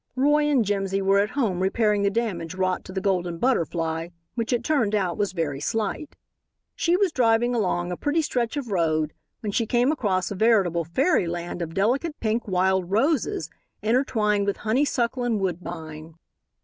Roy and Jimsy were at home repairing the damage wrought to the Golden Butterfly, which, it turned out, was very slight. She was driving along a pretty stretch of road when she came across a veritable fairyland of delicate pink wild roses intertwined with honeysuckle and woodbine.